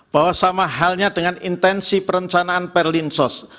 bahwa sama halnya dengan intensi perencanaan perlinsos